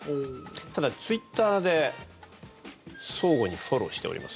ただ、ツイッターで相互にフォローしております。